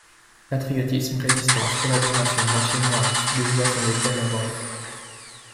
Patriotisme, résistance, collaboration, marché noir et filles de joie sont les thèmes abordés.